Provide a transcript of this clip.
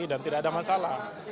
dan tidak ada masalah